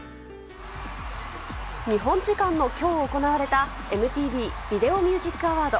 日本時間の今日行われたＭＴＶビデオ・ミュージック・アワード。